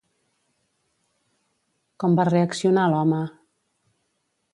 Com va reaccionar l'home?